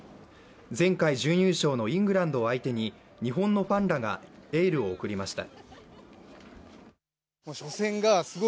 前回、準優勝のイングランドを相手に日本のファンらがエールを送りました。